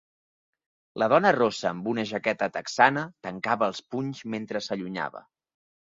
La dona rossa amb una jaqueta texana tancava els punys mentre s'allunyava.